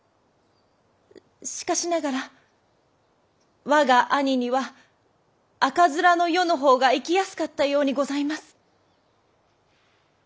しかしながら我が兄には赤面の世のほうが生きやすかったようにございます。